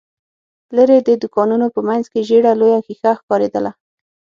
ليرې، د دوکانونو په مينځ کې ژېړه لويه ښيښه ښکارېدله.